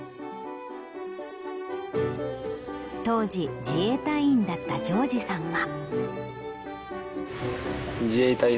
当時自衛隊員だった丈二さんは。